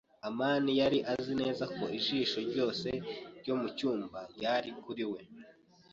amani yari azi neza ko ijisho ryose ryo mucyumba ryari kuri we.